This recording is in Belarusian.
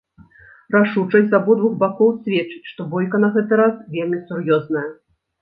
Рашучасць з абодвух бакоў сведчыць, што бойка на гэты раз вельмі сур'ёзная.